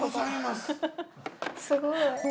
すごい。